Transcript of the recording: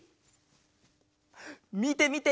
みてみて！